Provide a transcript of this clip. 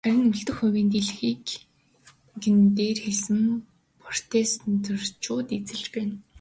Харин үлдэх хувийн дийлэнхийг нь дээр хэлсэн протестантчууд эзэлж байна.